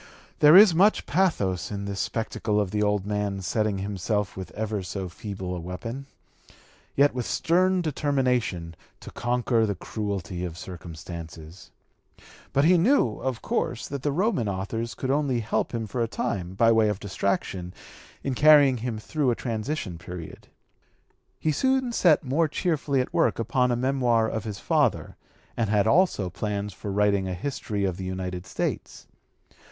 There is much pathos in this spectacle of the old man setting himself with ever so feeble a weapon, yet with stern determination, to conquer the cruelty of circumstances. But he knew, of course, that the Roman authors could only help him for a time, by way of distraction, in carrying him through a transition period. He soon set more cheerfully at work upon a memoir of his father, and had also plans for writing a history of the United States.